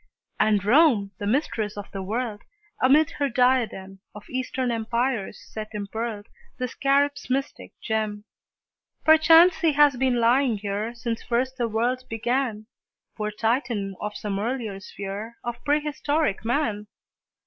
And Rome, the Mistress of the World, Amid her diadem Of Eastern Empires set impearled The Scarab's mystic gem. Perchance he has been lying here Since first the world began, Poor Titan of some earlier sphere Of prehistoric Man!